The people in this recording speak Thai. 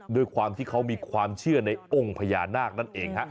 ด้วยความที่เขามีความเชื่อในองค์พญานาคนั่นเองฮะ